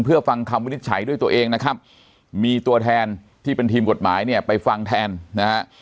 เพื่อฟังคำวินิจฉัยด้วยตัวเองนะครับมีตัวแทนที่เป็นทีมกฎหมายเนี่ยไปฟังแทนนะฮะ